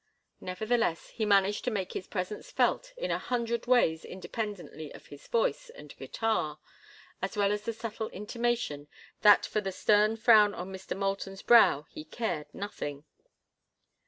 Nevertheless, he managed to make his presence felt in a hundred ways independently of his voice and guitar, as well as the subtle intimation that for the stern frown on Mr. Moulton's brow he cared nothing.